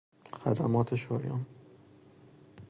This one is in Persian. خدمات شایان